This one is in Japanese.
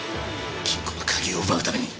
金庫の鍵を奪うために。